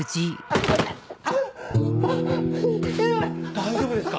大丈夫ですか？